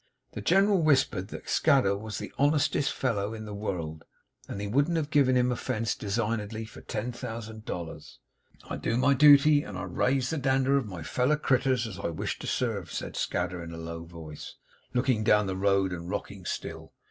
The General whispered Martin that Scadder was the honestest fellow in the world, and that he wouldn't have given him offence designedly, for ten thousand dollars. 'I do my duty; and I raise the dander of my feller critters, as I wish to serve,' said Scadder in a low voice, looking down the road and rocking still.